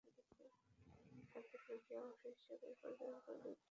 শান্তি প্রক্রিয়ার অংশ হিসেবে এ পর্যন্ত দুটি শান্তি চুক্তি স্বাক্ষরিত হয়েছে।